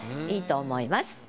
良いと思います。